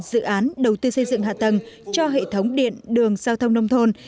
dự án đầu tư xây dựng hạ tầng cho hệ thống điện đường giao thông nông thôn